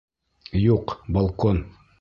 Юҡ, балкон!